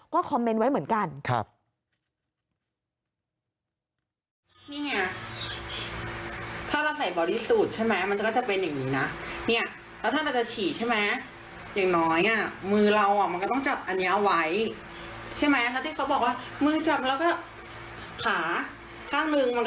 ก็คอมเมนต์ไว้เหมือนกัน